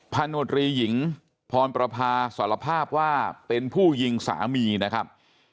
โนตรีหญิงพรประพาสารภาพว่าเป็นผู้ยิงสามีนะครับ